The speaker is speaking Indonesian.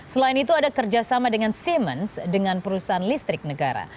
selain itu ada kerjasama dengan simens dengan perusahaan listrik negara